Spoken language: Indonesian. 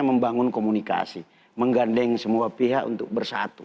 membangun komunikasi menggandeng semua pihak untuk bersatu